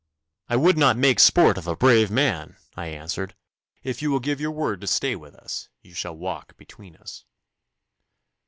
'I would not make sport of a brave man,' I answered. 'If you will give your word to stay with us, you shall walk between us.